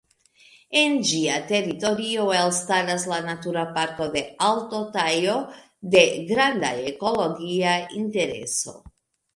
En ĝia teritorio elstaras la Natura Parko de Alto Tajo, de granda ekologia intereso.